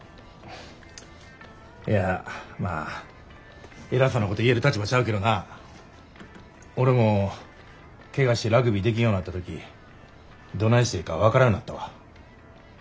いやまあ偉そうなこと言える立場ちゃうけどな俺もケガしてラグビーできんようなった時どないしていいか分からんようなったわ。